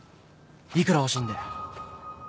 幾ら欲しいんだよ？